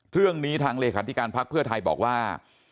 เรื่องนี้ทางเลขาธิการพักเพื่อไทยบอกว่า